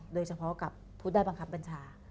โดยเฉพาะกับผู้ได้บังคับบัญชา